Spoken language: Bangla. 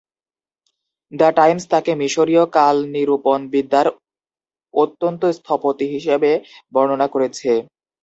"দ্য টাইমস" তাকে "মিশরীয় কালনিরূপণবিদ্যার অত্যন্ত স্থপতি" হিসেবে বর্ণনা করেছে।